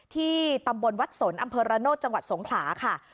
ที่ตำบลวัดสนอำเภอระโนธจังหวัดสงขลาค่ะ